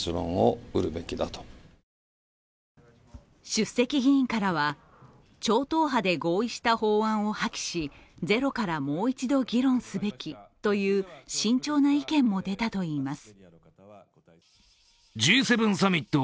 出席議員からは、超党派で合意した法案を破棄しゼロからもう一度、議論すべきという慎重な意見も出たといいます。